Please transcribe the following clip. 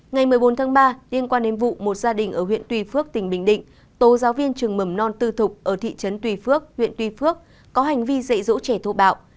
ngày một mươi bốn tháng ba liên quan đến vụ một gia đình ở huyện tùy phước tỉnh bình định tố giáo viên trường mầm non tư thục ở thị trấn tùy phước huyện tuy phước có hành vi dạy dỗ trẻ thụ bạo